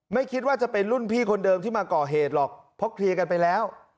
ไม่คิดว่าจะเป็นรุ่นพี่คนเดิมที่มาก่อเหตุหรอกเพราะเคลียร์กันไปแล้ว